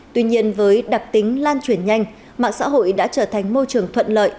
tuy nhiên với đặc tính lan truyền nhanh mạng xã hội đã trở thành môi trường thuận lợi